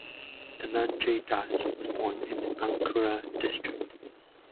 Dhananjay Das was born in Bankura district.